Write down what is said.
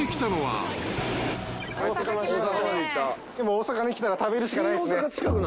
大阪に来たら食べるしかないっすね。